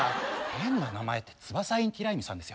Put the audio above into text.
変な名前ってツバサ・インティライミさんですよ。